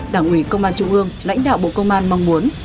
đảng ủy công an trung ương lãnh đạo bộ công an mong muốn